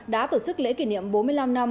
đã tổ chức lễ kỷ niệm bốn mươi năm năm